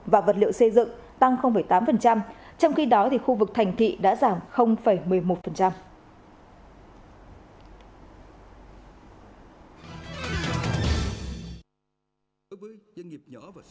và vật liệu xây dựng tăng tám trong khi đó khu vực thành thị đã giảm một mươi một